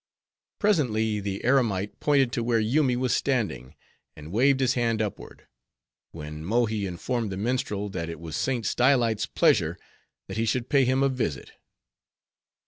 Presently, the eremite pointed to where Yoomy was standing; and waved his hand upward; when Mohi informed the minstrel, that it was St. Stylites' pleasure, that he should pay him a visit.